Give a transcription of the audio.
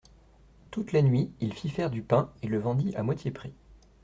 Toute la nuit il fit faire du pain et le vendit à moitié prix.